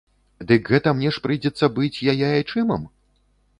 Дык гэта мне ж прыйдзецца быць яе айчымам?